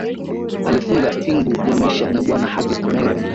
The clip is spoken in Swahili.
Alifunga pingu ya maisha na Bwana Hafidh Ameir